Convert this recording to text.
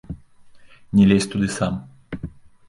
Не лезь туды сам!